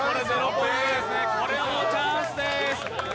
これはもう、チャンスです。